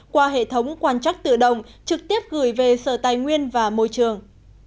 qua hệ thống quan chắc tự động trực tiếp gửi về sở tài nguyên và môi trường